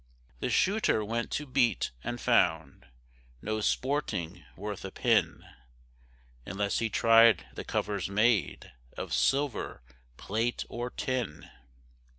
The Shooter went to beat, and found No sporting worth a pin, Unless he tried the covers made Of silver, plate, or tin.